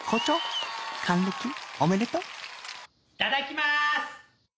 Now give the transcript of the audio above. いただきまーす！